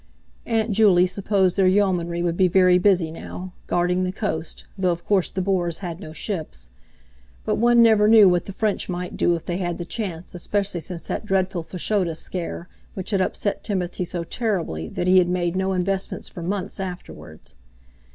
Aunt Juley supposed their Yeomanry would be very busy now, guarding the coast, though of course the Boers had no ships. But one never knew what the French might do if they had the chance, especially since that dreadful Fashoda scare, which had upset Timothy so terribly that he had made no investments for months afterwards.